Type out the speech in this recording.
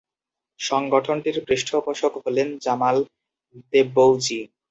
সংগঠনটির পৃষ্ঠপোষক হলেন জামাল দেব্বৌজি।